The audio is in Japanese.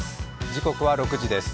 時刻は６時です。